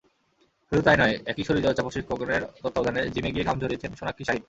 শুধু তা-ই নয়, একই শরীরচর্চা প্রশিক্ষকের তত্ত্বাবধানে জিমে গিয়ে ঘাম ঝরিয়েছেন সোনাক্ষী-শাহিদ।